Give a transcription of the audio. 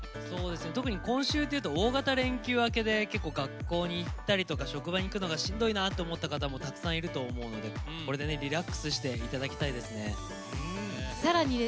特に今週でいうと大型連休明けで結構、学校に行ったり職場に行くのがしんどいなって思った方もたくさんいると思うのでこれでリラックスしていただきたいですね。